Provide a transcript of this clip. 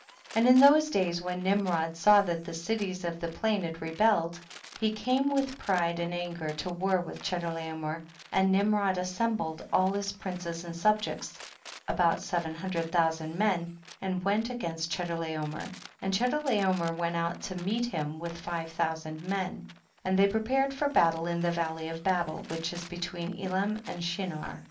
14. And in those days when Nim rod saw that the cities of the plain had rebelled, he came with pride and anger to war with Chedorlaomer, and Nimrod assembled all his princes and subjects, about seven hundred thousand men, and went against Che dorlaomer, and Chedorlaomer went out to meet him with five thousand men, and they ])repared for battle in the valley of Babel which is between Elam and Shinar.